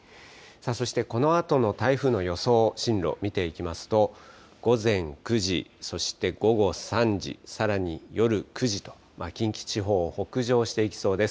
そしてこのあとの台風の予想進路見ていきますと、午前９時、そして午後３時、さらに夜９時と、近畿地方を北上していきそうです。